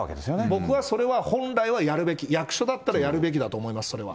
僕はそれは本来はやるべき、役所だったらやるべきだったと思います。